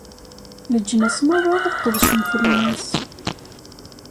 Leǧnas merra ad qedcen fell-as.